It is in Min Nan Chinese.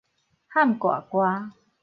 譀呱呱